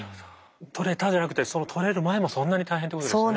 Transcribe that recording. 採れたじゃなくてその採れる前もそんなに大変ってことですよね。